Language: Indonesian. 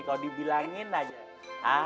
kalo dibilangin aja